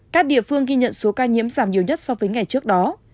các địa phương ghi nhận số ca nhiễm giảm nhiều nhất so với ngày trước đó